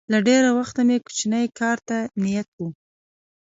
له ډېره وخته مې کوچني کار ته نیت و